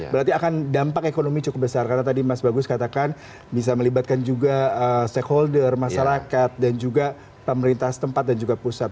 berarti akan dampak ekonomi cukup besar karena tadi mas bagus katakan bisa melibatkan juga stakeholder masyarakat dan juga pemerintah setempat dan juga pusat